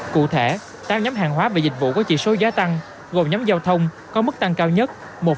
cụ thể tăng nhóm hàng hóa và dịch vụ có chỉ số giá tăng gồm nhóm giao thông có mức tăng cao nhất một ba mươi chín